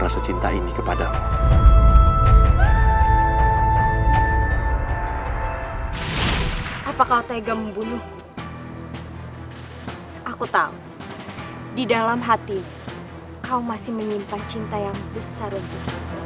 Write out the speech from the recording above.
aku tahu di dalam hati kau masih menyimpan cinta yang besar untukku